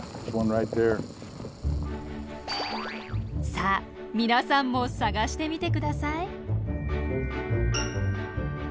さあ皆さんも探してみて下さい。